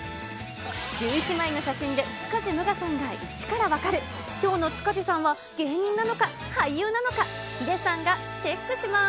１１枚の写真で塚地武雅さんが１から分かる、きょうの塚地さんは芸人なのか、俳優なのか、ヒデさんがチェックします。